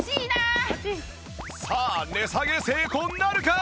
さあ値下げ成功なるか？